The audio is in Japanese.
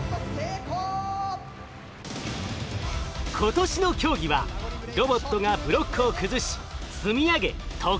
今年の競技はロボットがブロックを崩し積み上げ得点します。